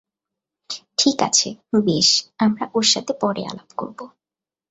ঠিক আছে, বেশ, আমরা ওর সাথে পরে আলাপ করব।